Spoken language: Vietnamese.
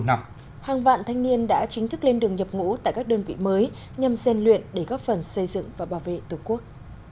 hàng vạn thanh niên đã chính thức lên đường nhập ngũ tại các đơn vị mới nhằm gian luyện để góp phần xây dựng và bảo vệ tổ quốc